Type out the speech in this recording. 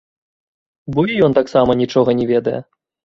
Бо і ён таксама нічога не ведае.